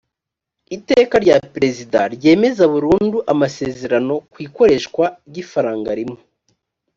iteka rya perezida ryemeza burundu amasezerano ku ikoreshwa ry’ifaranga rimwe